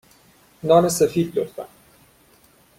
نان سفید، لطفا.